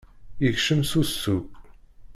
Yekcem s usu.